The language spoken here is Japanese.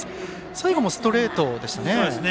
最後もストレートでしたね。